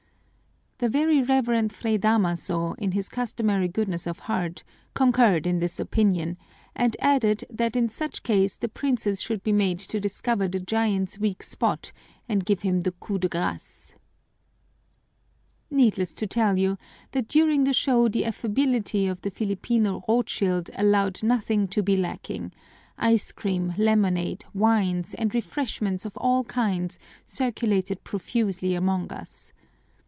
The Very Reverend Fray Damaso, in his customary goodness of heart, concurred in this opinion, and added that in such case the princess should be made to discover the giant's weak spot and give him the coup de grace. "Needless to tell you that during the show the affability of the Filipino Rothschild allowed nothing to be lacking: ice cream, lemonade, wines, and refreshments of all kinds circulated profusely among us.